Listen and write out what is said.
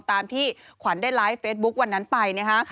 ตามที่ขวัญได้ไลน์ให้เฟซบุ๊ควันนั้นไป